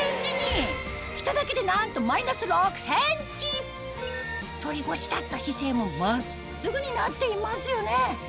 着ただけでなんとマイナス６ｃｍ反り腰だった姿勢も真っすぐになっていますよね